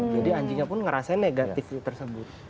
jadi anjingnya pun ngerasain negatif tersebut